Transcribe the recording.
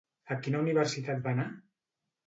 A quina universitat va anar?